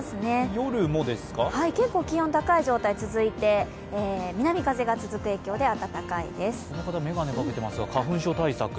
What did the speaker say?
夜も結構気温が高い状態が続いて南風が続く影響でこの方、めがねかけてますが、花粉症対策。